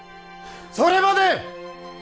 それまで！